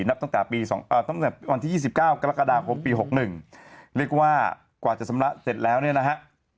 ตั้งแต่วันที่๒๙กรกฎาคมปี๖๑เรียกว่ากว่าจะชำระเสร็จแล้วเนี่ยนะฮะ